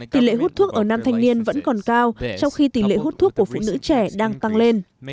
tỷ lệ hút thuốc ở nam thanh niên vẫn còn cao trong khi tỷ lệ hút thuốc của phụ nữ trẻ đang tăng lên